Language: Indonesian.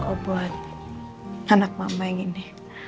kau buat anak mama yang gini